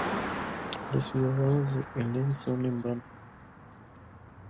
Los cuidados de Helen son en vano.